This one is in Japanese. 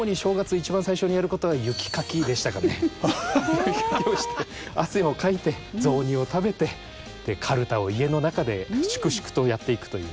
雪かきをして汗をかいて雑煮を食べてかるたを家の中で粛々とやっていくという。